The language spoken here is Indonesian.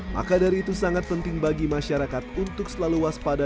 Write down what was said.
maka dari itu sangat penting bagi masyarakat untuk selalu waspada